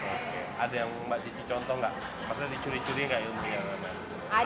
ada yang mbak cici contoh nggak maksudnya dicuri curi nggak ilmu dia